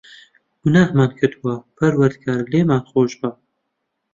گوناحمان کردووە، پەروەردگار، لێمان خۆشبە.